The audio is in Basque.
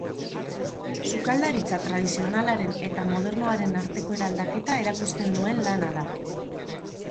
Sukaldaritza tradizionalaren eta modernoaren arteko eraldaketa erakusten duen lana da.